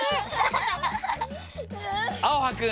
あおはくん！